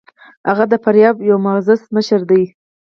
هغه د فاریاب یو معزز مشر دی.